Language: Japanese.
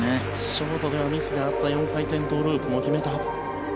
ショートではミスがあった４回転トウループも決めた。